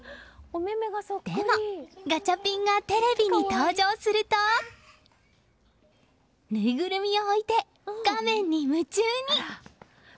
でもガチャピンがテレビに登場するとぬいぐるみを置いて画面に夢中に。